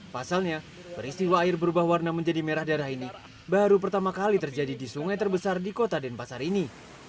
pasalnya peristiwa air berubah warna menjadi merah darah ini baru pertama kali terjadi di sungai terbesar di kota denpasar ini